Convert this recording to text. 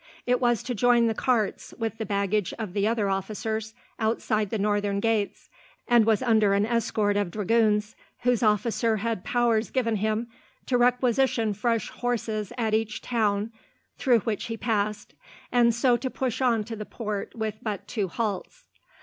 It was to join the carts, with the baggage of the other officers, outside the northern gates; and was under an escort of dragoons, whose officer had powers given him to requisition fresh horses at each town through which he passed, and so to push on to the port with but two halts.